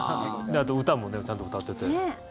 あと歌もちゃんと歌ってて。